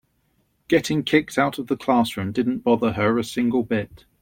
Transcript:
Getting kicked out of the classroom didn't bother her a single bit.